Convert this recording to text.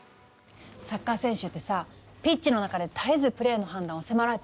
サッカー選手ってさピッチの中で絶えずプレーの判断を迫られてるのよ。